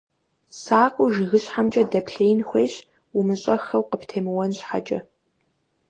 Сакъыу жыгыщхьэмкӀэ дэплъеин хуейщ, умыщӀэххэу къыптемыуэн щхьэкӀэ.